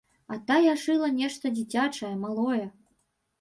А тая шыла нешта дзіцячае, малое.